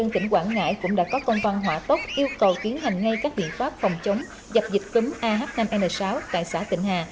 tỉnh quảng ngãi cũng đã có công văn hỏa tốc yêu cầu kiến hành ngay các biện pháp phòng chống dập dịch cấm ah năm n sáu tại xã tình hà